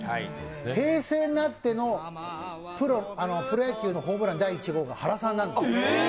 平成になってのプロ野球のホームラン第１号が原さんなんです。